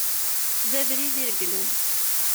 D abrid ireglen.